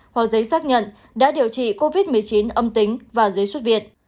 hoặc giấy xác nhận đã điều trị covid một mươi chín âm tính và giấy xuất viện